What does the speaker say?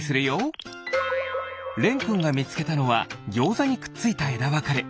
れんくんがみつけたのはぎょうざにくっついたえだわかれ。